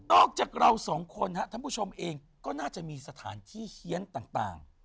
ออกจากเราสองคนท่านผู้ชมเองก็น่าจะมีสถานที่เฮียนต่าง